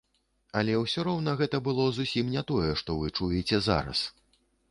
Але ўсё роўна гэта было зусім не тое, што вы чуеце зараз.